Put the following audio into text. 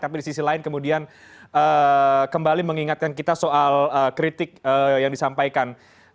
tapi di sisi lain kemudian kembali mengingatkan kita soal kritik yang disampaikan